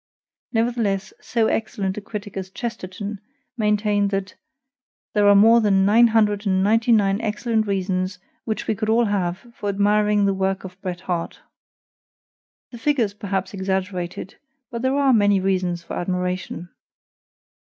Nevertheless, so excellent a critic as Chesterton maintained that "There are more than nine hundred and ninety nine excellent reasons which we could all have for admiring the work of Bret Harte." The figure is perhaps exaggerated, but there are many reasons for admiration.